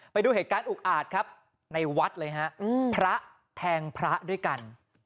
ไปดูเหตุการณ์อุกอาจครับในวัดเลยฮะพระแทงพระด้วยกัน